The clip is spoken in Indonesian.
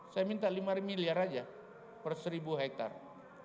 saya minta lima miliar aja per seribu hektare